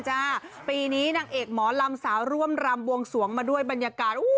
ปีนี้นางเอกหมอลำสาวร่วมรำบวงสวงมาด้วยบรรยากาศ